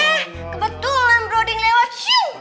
eh kebetulan broding lewat